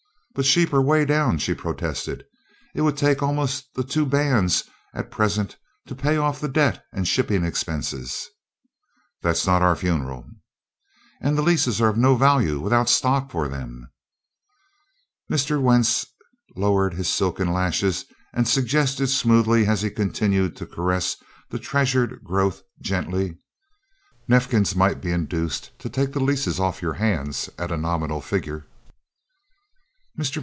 "But sheep are way down," she protested. "It would take almost the two bands at present to pay off the debt and shipping expenses." "That's not our funeral." "And the leases are of no value without stock for them." Mr. Wentz lowered his silken lashes and suggested smoothly as he continued to caress the treasured growth gently: "Neifkins might be induced to take the leases off your hands at a nominal figure." Mr.